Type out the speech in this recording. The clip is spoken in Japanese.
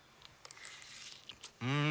うん！